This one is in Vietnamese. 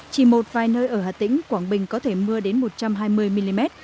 chỉ một vài nơi ở hà tĩnh quảng bình có thể mưa đến một trăm hai mươi mm